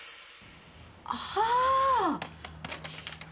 ああ！